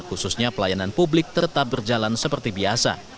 khususnya pelayanan publik tetap berjalan seperti biasa